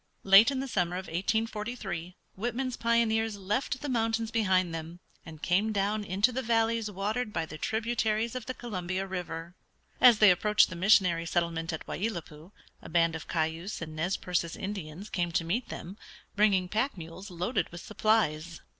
Late in the summer of 1843 Whitman's pioneers left the mountains behind them, and came down into the valleys watered by the tributaries of the Columbia River. As they approached the missionary settlement at Wai i lat pui a band of Cayuse and Nez Percés Indians came to meet them, bringing pack mules loaded with supplies.